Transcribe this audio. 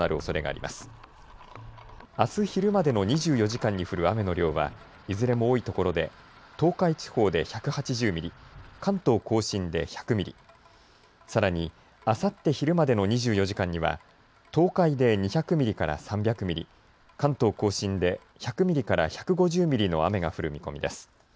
あす昼までの２４時間に降る雨の量はいずれも多いところで東海地方で１８０ミリ、関東甲信で１００ミリ、さらに、あさって昼までの２４時間には東海で２００ミリから３００ミリ、関東甲信で１００ミリから１５０ミリの雨が降る見込みです。